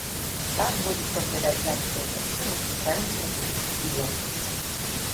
Так будуць выглядаць занятыя месцы на цэнтральнай трыбуне стадыёна.